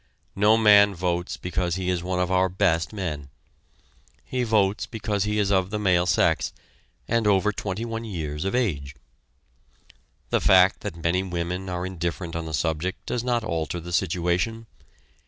No man votes because he is one of our best men. He votes because he is of the male sex, and over twenty one years of age. The fact that many women are indifferent on the subject does not alter the situation.